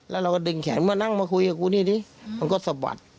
แล้วเราก็ดึงแขนมานั่งมาคุยกับกูนี่ดิมันก็สะบัด